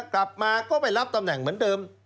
กลับมาก็ไปรับตำแหน่งเหมือนเดิม